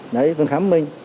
đấy phần khám của mình